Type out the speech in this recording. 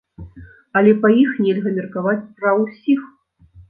Але па іх нельга меркаваць пра усіх.